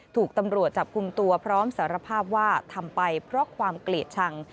ถูกตำรวจจับกลุ่มตัวพร้อมสารภาพว่าทำไปเพราะความเกลียดชัง